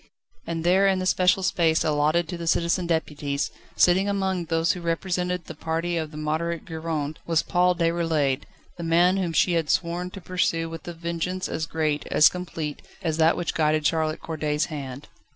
And there in the special space allotted to the Citizen Deputies, sitting among those who represented the party of the Moderate Gironde, was Paul Déroulède, the man whom she had sworn to pursue with a vengeance as great, as complete, as that which guided Charlotte Corday's hand.